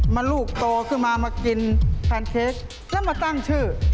ลูกโตขึ้นมามากินแพนเค้กแล้วมาตั้งชื่อ